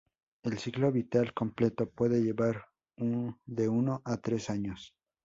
El ciclo vital completo puede llevar de uno a tres años.